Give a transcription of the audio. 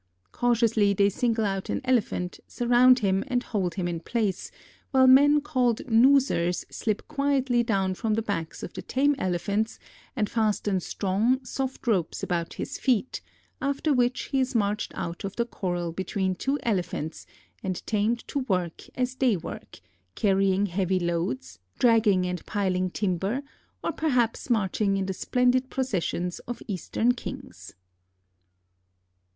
Cautiously they single out an Elephant, surround him and hold him in place, while men called noosers slip quietly down from the backs of the tame Elephants and fasten strong, soft ropes about his feet, after which he is marched out of the corral between two Elephants and tamed to work as they work, carrying heavy loads, dragging and piling timber, or perhaps marching in the splendid processions of Eastern kings.